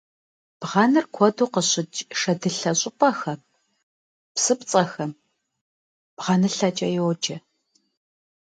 Бгъэныр куэду къыщыкӏ шэдылъэ щӏыпӏэхэм, псыпцӏэхэм бгъэнылъэкӏэ йоджэ.